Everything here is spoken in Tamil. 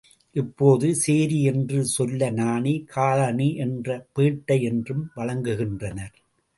இப்போது சேரி என்று சொல்ல நாணி, காலணி என்றும் பேட்டை என்றும் வழங்குகின்றனர்.